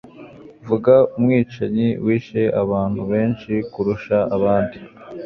Vuga Umwicanyi wisha abantu benshi kurusha abandi?